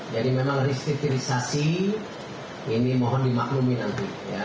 jadi memang restriktirisasi ini mohon dimaklumi nanti ya